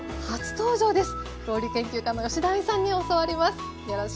料理研究家の吉田愛さんに教わります。